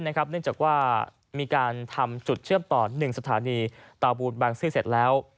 เนื่องจากว่ามีการทำจุดเชื่อมต่อ๑สถานีตาบูลบางซื่อเสร็จแล้ว